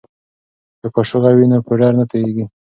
که قاشغه وي نو پوډر نه توییږي.